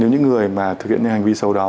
nếu những người mà thực hiện những hành vi sâu đó